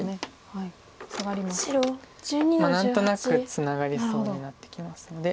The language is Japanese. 何となくツナがりそうになってきますので。